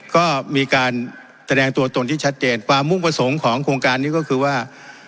ก็มีการแสดงตัวตนที่ชัดเจนความมุ่งประสงค์ของโครงการนี้ก็คือว่า